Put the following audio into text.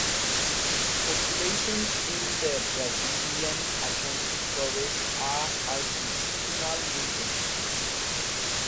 Populations in the Brazilian Atlantic Forest are altitudinal migrants.